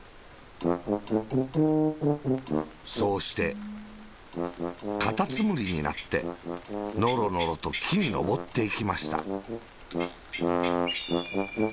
そうして、カタツムリになって、ノロノロときにのぼっていきました。